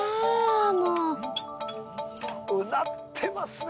もううなってますね